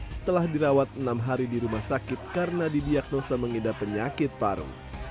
setelah dirawat enam hari di rumah sakit karena didiagnosa mengidap penyakit paru